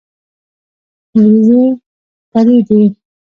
ورېځې خپری دي